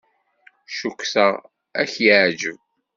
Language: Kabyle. Cukkteɣ ad k-yeɛjeb.